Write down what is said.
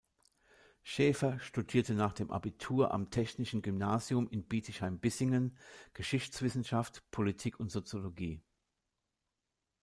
Schäfer studierte nach dem Abitur am Technischen Gymnasium in Bietigheim-Bissingen Geschichtswissenschaft, Politik und Soziologie.